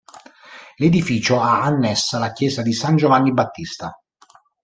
L'edificio ha annessa la chiesa di San Giovanni Battista.